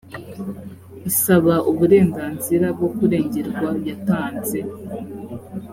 isaba uburenganzira bwo kurengerwa yatanze